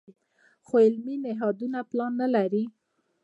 خو علمي نهادونه پلان نه لري.